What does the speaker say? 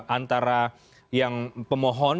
antara yang pemohon